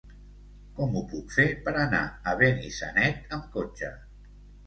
Com ho puc fer per anar a Benissanet amb cotxe?